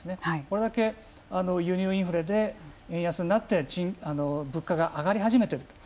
これだけ輸入インフレで円安になって物価が上がり始めていると。